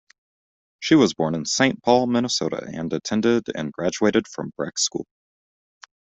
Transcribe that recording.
She was born in Saint Paul, Minnesota, and attended and graduated from Breck School.